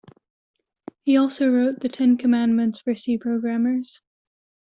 He also wrote "The Ten Commandments for C Programmers".